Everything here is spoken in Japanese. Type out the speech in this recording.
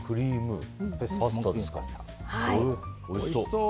おいしそう。